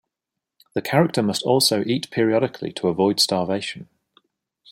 The character must also eat periodically to avoid starvation.